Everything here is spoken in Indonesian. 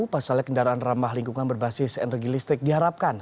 pasalnya kendaraan ramah lingkungan berbasis energi listrik diharapkan